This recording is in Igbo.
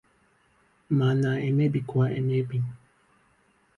ma na-emebikwa emebi